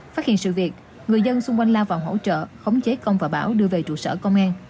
phát hiện sự việc người dân xung quanh lao vào hỗ trợ khống chế công và bảo đưa về trụ sở công an